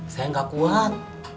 saya gak kuat